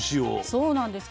そうなんです。